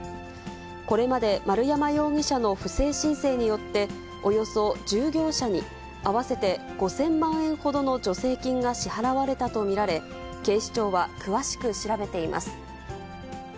これまで、丸山容疑者の不正申請によっておよそ１０業者に、合わせて５０００万円ほどの助成金が支払われたと見られ、警視庁は詳しく調べています。